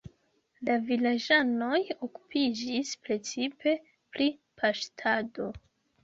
La vilaĝanoj okupiĝis precipe pri paŝtado.